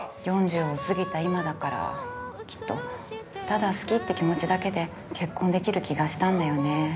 ４０をすぎた今だからきっとただ好きって気持ちだけで結婚できる気がしたんだよね